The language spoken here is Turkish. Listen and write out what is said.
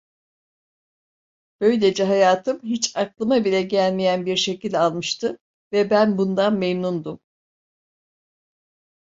Böylece hayatım, hiç aklıma bile gelmeyen bir şekil almıştı ve ben bundan memnundum.